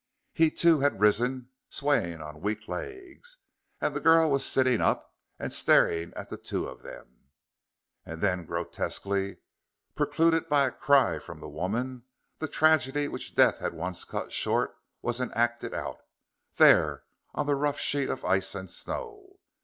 He too had risen, swaying on weak legs. And the girl was sitting up and staring at the two of them. And then, grotesquely, preluded by a cry from the woman, the tragedy which death had once cut short was enacted out, there on the rough sheet of ice and snow.